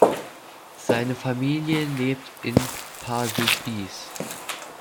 Seine Familie lebt in Pardubice.